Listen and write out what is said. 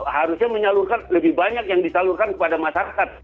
harusnya menyalurkan lebih banyak yang disalurkan kepada masyarakat